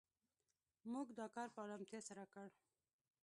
موږ دا کار په آرامتیا تر سره کړ.